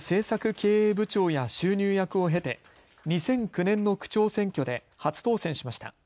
経営部長や収入役を経て２００９年の区長選挙で初当選しました。